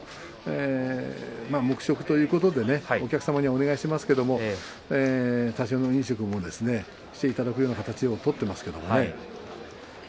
黙食ということでねお客さんにお願いしていますけれども多少の飲食もしていただくような形を取っていますけれどもね。